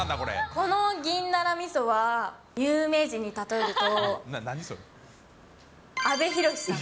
この銀だらみそは、有名人に例えると、阿部寛さん。